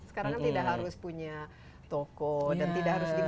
sekarang kan tidak harus punya toko dan tidak harus di mana mana